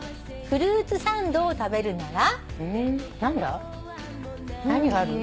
「フルーツサンドを食べるなら」